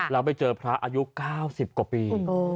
แล้วไปเจอพระอายุ๙๐กว่าปี